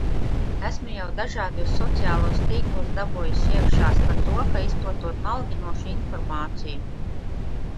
Esmu jau dažādos sociālos tīklos "dabūjusi iekšās" par to, ka izplatot maldinošu informāciju.